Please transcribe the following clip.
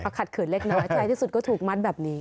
ขัดขืนเล็กน้อยท้ายที่สุดก็ถูกมัดแบบนี้